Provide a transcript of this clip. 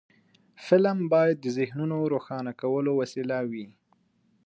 فلم باید د ذهنونو روښانه کولو وسیله وي